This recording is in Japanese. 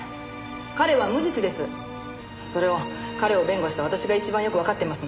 それは彼を弁護した私が一番よくわかっていますので。